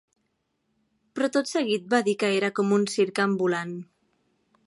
Però tot seguit va dir que era com un circ ambulant.